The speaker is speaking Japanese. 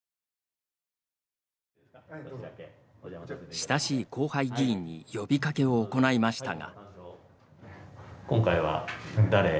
親しい後輩議員に呼びかけを行いましたが。